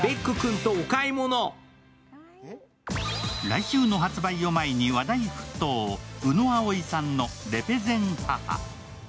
来週の発売を前に話題沸騰宇野碧さんの「レペゼン母」。